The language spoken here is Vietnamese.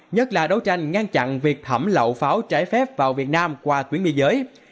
nhất là đấu tranh ngăn chặn việc thẩm lậu pháo trái phép vào việt nam qua tuyến biên giới